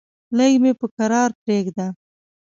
لږ مې په کرار پرېږده!